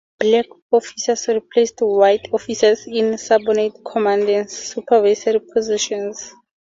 Black officers replaced white officers in subordinate command and supervisory positions.